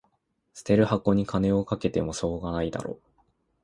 捨てる箱に金かけてもしょうがないだろ